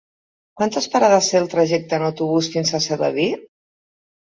Quantes parades té el trajecte en autobús fins a Sedaví?